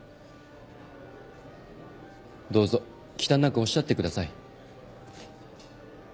どうぞ忌憚なくおっしゃってください。